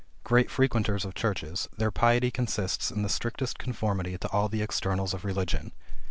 Great frequenters of churches, their piety consists in the strictest conformity to all the externals of religion.